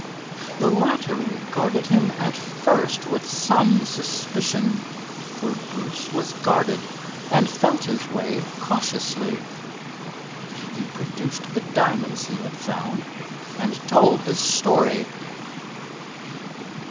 The latter regarded him at first with some suspicion, for Bruce was guarded, and felt his way cautiously. He produced the diamonds he had found, and told his story.